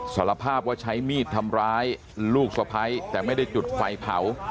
สารภาพว่าใช้มีดทำร้ายลูกสะพ้ายแต่ไม่ได้จุดไฟเผา